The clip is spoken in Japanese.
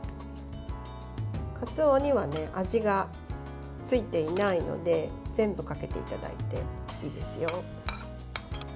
かつおには味がついていないので全部かけていただいていいですよ。